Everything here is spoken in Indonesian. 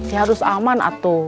ya harus aman atuh